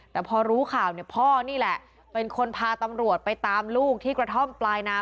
แต่พอรู้ข่าวเนี่ยพ่อนี่แหละเป็นคนพาตำรวจไปตามลูกที่กระท่อมปลายนา